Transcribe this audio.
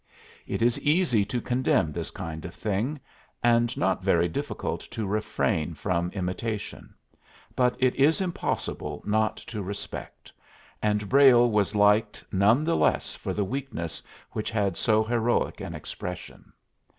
It is easy to condemn this kind of thing, and not very difficult to refrain from imitation, but it is impossible not to respect, and Brayle was liked none the less for the weakness which had so heroic an expression.